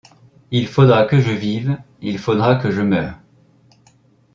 Il faudra que je vive, il faudra que je meure.